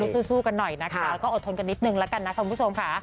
สู้กันหน่อยนะคะแล้วก็อดทนกันนิดนึงแล้วกันนะคุณผู้ชมค่ะ